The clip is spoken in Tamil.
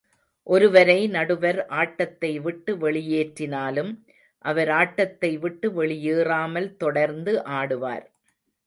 ஒருவரை நடுவர் ஆட்டத்தை விட்டு வெளியேற்றினாலும், அவர் ஆட்டத்தைவிட்டு வெளியேறாமல் தொடர்ந்து ஆடுவார்.